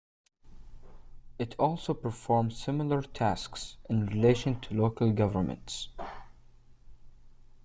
It also performs similar tasks in relation to local government.